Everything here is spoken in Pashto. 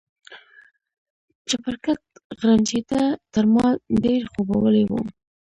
چپرکټ غرنجېده، تر ما ډېر خوبولی و.